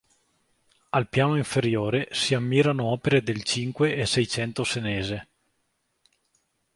Al piano inferiore si ammirano opere del Cinque e Seicento senese.